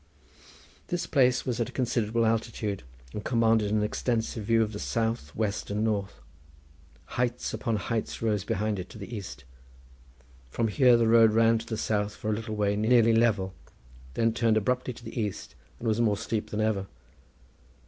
This place was at a considerable altitude, and commanded an extensive view to the south, west, and north. Heights upon heights rose behind it to the east. From here the road ran to the south for a little way nearly level, then turned abruptly to the east, and was more steep than ever.